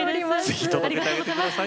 ぜひ届けてあげて下さい。